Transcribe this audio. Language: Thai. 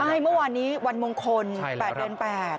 ใช่เมื่อวานนี้วันมงคล๘เดือน๘